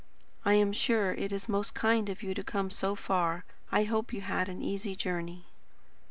I am sure it is most kind of you to come so far. I hope you had an easy journey."